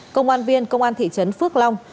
công an viên công an thị trấn phước long